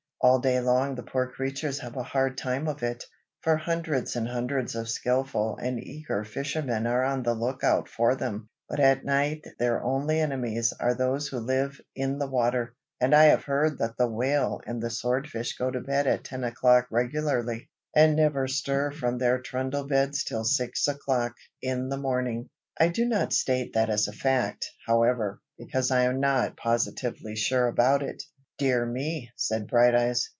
All day long the poor creatures have a hard time of it, for hundreds and hundreds of skilful and eager fishermen are on the look out for them. But at night their only enemies are those who live in the water, and I have heard that the whale and the swordfish go to bed at ten o'clock regularly, and never stir from their trundle beds till six o'clock in the morning. I do not state that as a fact, however, because I am not positively sure about it." "Dear me!" said Brighteyes.